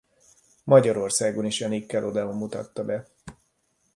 Magyarországon is a Nickelodeon mutatta be.